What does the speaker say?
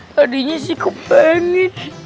tadinya sih kepengit